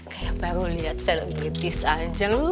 kayak baru liat sel gitu saja lu